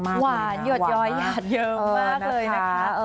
หวานหยดย้อยหยาดเยอะมากเลยนะคะ